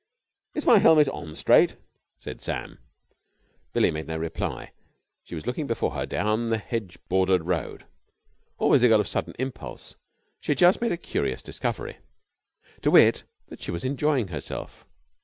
"Is my helmet on straight?" said Sam. Billie made no reply. She was looking before her down the hedge bordered road. Always a girl of sudden impulse, she had just made a curious discovery, to wit, that she was enjoying herself.